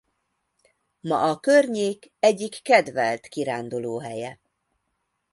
Ma a környék egyik kedvelt kirándulóhelye.